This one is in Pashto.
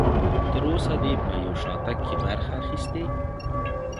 تر اوسه دې په یو شاتګ کې برخه اخیستې؟